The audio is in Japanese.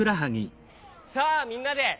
さあみんなで。